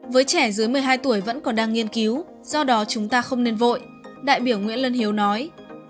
với trẻ dưới một mươi hai tuổi vẫn còn đang nghiên cứu do đó chúng ta không nên vội đại biểu nguyễn lân hiếu nói